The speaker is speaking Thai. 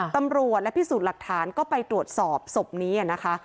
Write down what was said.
ตำรวจและพิสูจน์หลักฐานก็ไปตรวจสอบศพนี้นะคะ